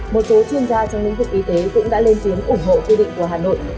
một số chuyên gia trong lĩnh vực y tế cũng đã lên tiếng ủng hộ quy định của hà nội